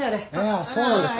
あっそうなんですか？